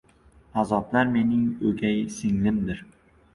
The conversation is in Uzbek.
Azoblar mening o‘gay singlimdir